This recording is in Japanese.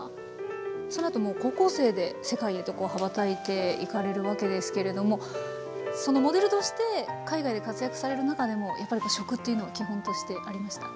そのあともう高校生で世界へと羽ばたいていかれるわけですけれどもそのモデルとして海外で活躍される中でもやっぱり食というのは基本としてありました？